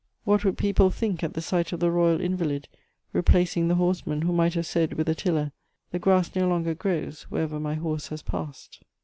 What would people think at the sight of the royal invalid replacing the horseman who might have said with Attila: "The grass no longer grows wherever my horse has passed."